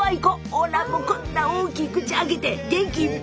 ほらもうこんな大きい口開けて元気いっぱい。